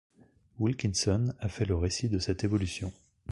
Wilkinson a fait le récit de cette évolution.